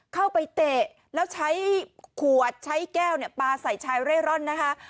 เข้าไปเตะแล้วใช้ขวดใช้แก้วเนี่ยปลาใส่ชายเร่ร่อนนะคะ